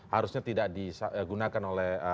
harusnya tidak digunakan oleh